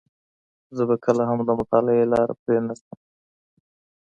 زه به کله هم د مطالعې لاره پرې نه ږدم.